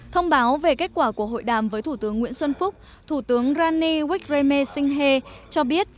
thông báo về kết quả của hội đàm với thủ tướng nguyễn xuân phúc thủ tướng rani wikrayme singhe cho biết